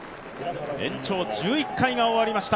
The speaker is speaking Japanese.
延長１１回が終わりました、